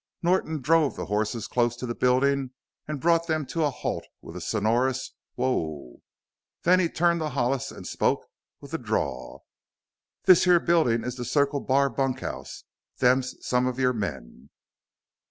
Norton drove the horses close to the building and brought them to a halt with a sonorous "whoa"! Then he turned to Hollis and spoke with a drawl: "This here building is the Circle Bar bunkhouse; them's some of your men."